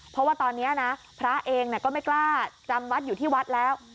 เพราะว่าตอนนี้นะพระเองก็ไม่กล้าจำวัดอยู่ที่วัดแล้ว